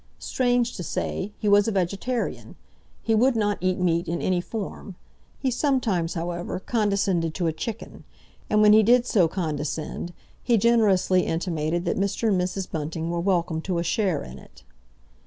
Strange to say, he was a vegetarian. He would not eat meat in any form. He sometimes, however, condescended to a chicken, and when he did so condescend he generously intimated that Mr. and Mrs. Bunting were welcome to a share in it.